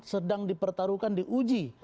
sedang dipertaruhkan di uji